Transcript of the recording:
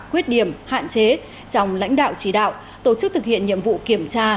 quyết điểm hạn chế trong lãnh đạo chỉ đạo tổ chức thực hiện nhiệm vụ kiểm tra